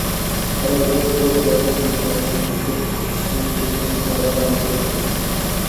ওরা উভয়ে দৌড়ে দরজার দিকে গেল এবং স্ত্রীলোকটি পেছন থেকে তার জামা ছিড়ে ফেলল।